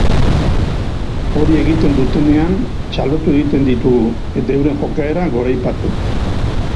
Hori egiten dutenean txalotu egiten ditugu eta euren jokaera goraipatu.